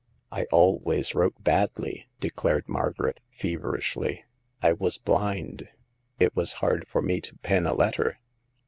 " I always wrote badly," declared Margaret, feverishly. " I was blind ; it was hard for me to pen a letter.